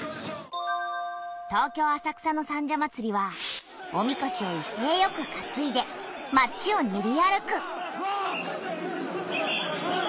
東京・浅草の三社祭はおみこしをいせいよくかついで町を練り歩く。